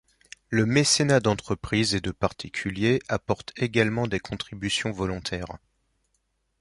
Le mécénat d'entreprise et de particuliers apportent également des contributions volontaires.